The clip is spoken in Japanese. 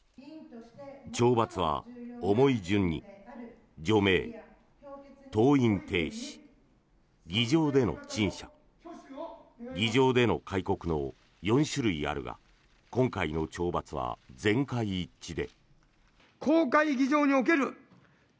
懲罰は重い順に除名、登院停止議場での陳謝議場での戒告の４種類あるが今回の懲罰は全会一致で。